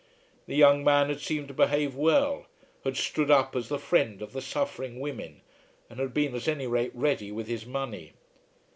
The young man had seemed to behave well, had stood up as the friend of the suffering women, and had been at any rate ready with his money.